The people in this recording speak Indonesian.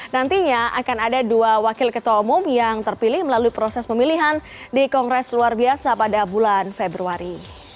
nantinya akan ada dua wakil ketua umum yang terpilih melalui proses pemilihan di kongres luar biasa pada bulan februari